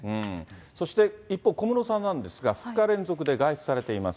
そして、一方小室さんなんですが、２日連続で外出されています。